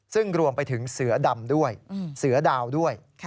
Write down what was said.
ซึ่งรวมไปถึงเสือดำด้วยเสือดาวด้วย